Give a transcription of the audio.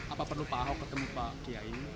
apa perlu pak ahok ketemu pak kiai